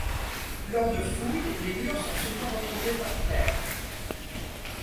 Lors de fouilles, les lurs sont souvent retrouvés par paires.